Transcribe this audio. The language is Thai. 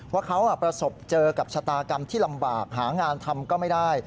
ว่าเขาประสบเจอกับชะตากรรมที่ลำบากหางานทำก็ไม่ได้